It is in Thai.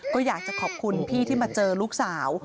ก็อยากจะขอบคุณพี่ที่มาเจอลูกสาว